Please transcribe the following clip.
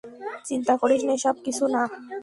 চিন্তা করিস না, এসব কিছু না।